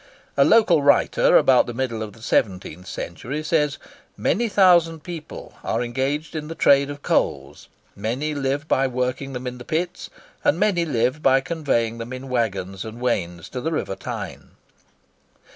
A local writer about the middle of the seventeenth century says, "Many thousand people are engaged in this trade of coals; many live by working of them in the pits; and many live by conveying them in waggons and wains to the river Tyne."